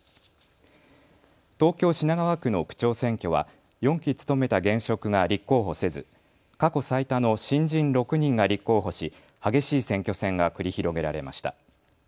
東京品川区の区長選挙は４期務めた現職が立候補せず、過去最多の新人６人が立候補し激しい選挙戦が繰り広げられました。